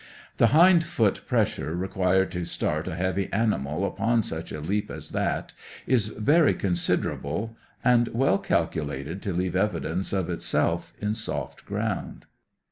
The hind foot pressure required to start a heavy animal upon such a leap as that is very considerable, and well calculated to leave evidence of itself in soft ground.